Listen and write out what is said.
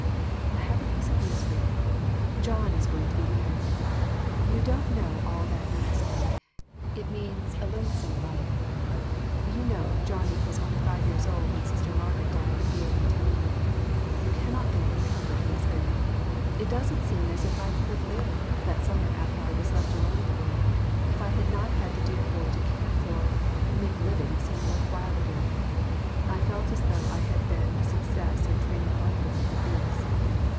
I have a piece of news for you. John is going to be married. You don't know all that means to me. It means a lonesome life. You know John nie was only five years old when Sister Margaret died and gave him to me. You can not think what a comfort he has been. It doesn't seem as if I could have lived, that summer after I was left alone in the world, if I had not had the dear boy to care for, and make living seem worth while again. I feel as though I had been a suc cess in training one boy, at least.